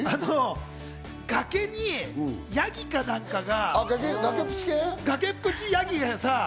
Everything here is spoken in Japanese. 崖にヤギかなんかが。